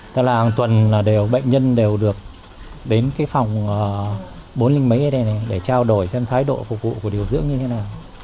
thế là hàng tuần bệnh nhân đều được đến phòng bốn mươi mấy ở đây để trao đổi xem thái độ phục vụ của điều dưỡng như thế nào